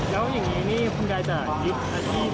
แล้วอย่างนี้นี่คุณยายจะยึดอาชีพ